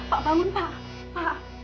pak bangun pak